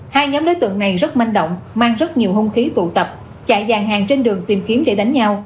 hai nhóm đối tượng này rất manh động mang rất nhiều hung khí tụ tập chạy dàng hàng trên đường tìm kiếm để đánh nhau